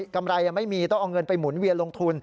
กำไรยังไม่มีต้องเอาเงินไปหมุนเวียนลงทุน